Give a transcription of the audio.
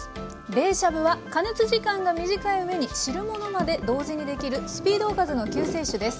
冷しゃぶは加熱時間が短い上に汁物まで同時にできるスピードおかずの救世主です。